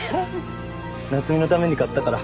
夏海のために買ったから。